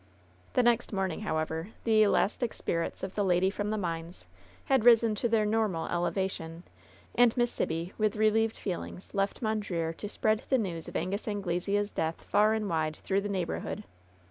The next morning, however, the elastic spirits of the lady from the mines had risen to their normal elevation, and Miss Sibby, with relieved feelings, left Mondreer to spread the news of Angus Anglesea's death far and wide through the neighborhood.